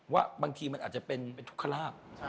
ว่าบางทีมันอาจจะเป็นทุกขลาบ